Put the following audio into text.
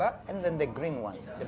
dan kemudian yang hijau ini